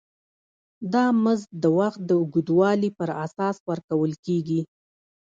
دا مزد د وخت د اوږدوالي پر اساس ورکول کېږي